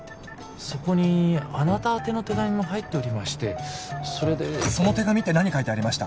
そこにあなた宛ての手紙も入っておりましてそれでその手紙って何書いてありました？